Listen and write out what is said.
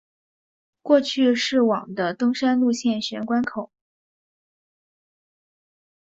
过去是往的登山路线玄关口。